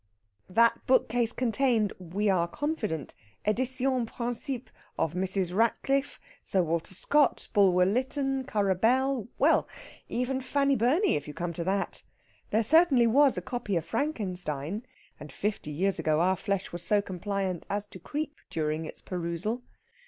That book case contained (we are confident) editiones principes of Mrs. Ratcliff, Sir Walter Scott, Bulwer Lytton, Currer Bell ... well, even Fanny Burney, if you come to that. There certainly was a copy of "Frankenstein," and fifty years ago our flesh was so compliant as to creep during its perusal.